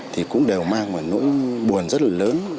thì cũng đều mang một nỗi buồn rất là lớn